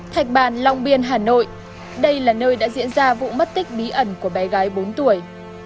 thạch bàn long biên hà nội đây là nơi đã diễn ra vụ mất tích bí ẩn của bé gái bốn tuổi